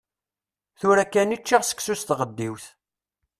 Tura kan i ččiɣ seksu s tɣeddiwt.